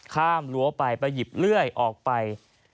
ข้ามหลัวไปไปหยิบเลื่อยออกไป